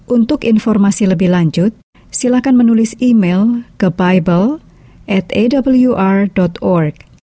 untuk informasi lebih lanjut silahkan menulis email ke bible atawr org